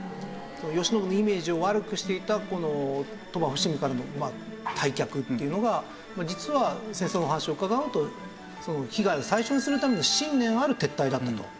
慶喜のイメージを悪くしていた鳥羽・伏見からの退却っていうのが実は先生のお話を伺うと被害を最小にするための信念ある撤退だったと。